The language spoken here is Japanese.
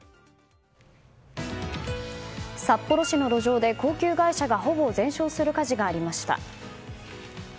札幌市の路上で高級外車がほぼ全焼する火事がありました。